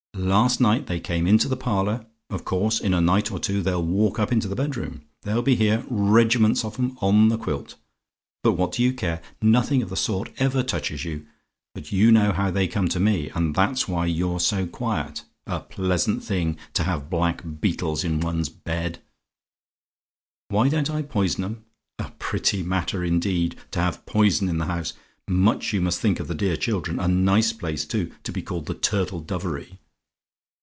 "Last night they came into the parlour. Of course, in a night or two, they'll walk up into the bedroom. They'll be here regiments of 'em on the quilt. But what do you care? Nothing of the sort ever touches you: but you know how they come to me; and that's why you're so quiet. A pleasant thing to have black beetles in one's bed! "WHY DON'T I POISON 'EM? "A pretty matter, indeed, to have poison in the house! Much you must think of the dear children. A nice place, too, to be called the Turtle Dovery!